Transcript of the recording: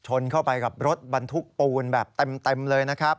เข้าไปกับรถบรรทุกปูนแบบเต็มเลยนะครับ